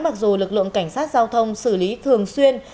mặc dù lực lượng cảnh sát giao thông xử lý thường xuyên